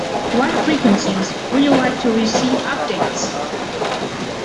What frequencies would you like to receive updates?